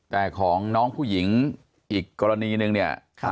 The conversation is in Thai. แต่ของน้องผู้หญิงอีกกรณีหนึ่งเนี่ย